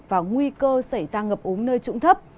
và nguy cơ xảy ra ngập úng nơi trụng thấp